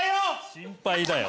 心配だよ！